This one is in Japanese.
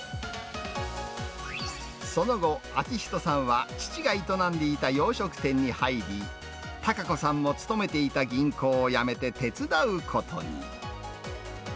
その後、明人さんは、父が営んでいた洋食店に入り、孝子さんも勤めていた銀行を辞めて手伝うことに。